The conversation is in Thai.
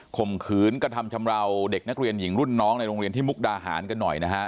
ข่มขืนกระทำชำราวเด็กนักเรียนหญิงรุ่นน้องในโรงเรียนที่มุกดาหารกันหน่อยนะฮะ